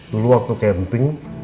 dulu waktu camping